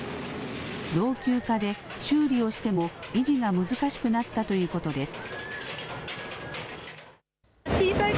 老朽化で修理をしても維持が難しくなったということです。